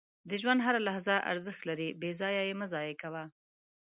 • د ژوند هره لحظه ارزښت لري، بې ځایه یې مه ضایع کوه.